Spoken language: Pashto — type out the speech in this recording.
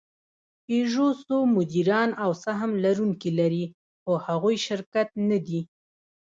پيژو څو مدیران او سهم لرونکي لري؛ خو هغوی شرکت نهدي.